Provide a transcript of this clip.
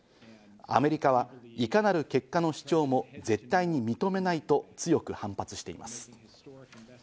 アメリカはいかなる結果の主張も絶対に認めないと強く反発しています。